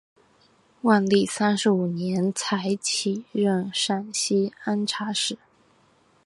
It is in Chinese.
万历三十五年才起任陕西按察使。